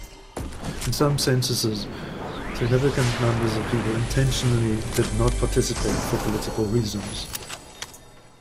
In some censuses, significant numbers of people intentionally did not participate for political reasons.